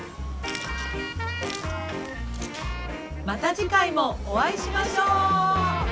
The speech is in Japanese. また次回もお会いしましょう！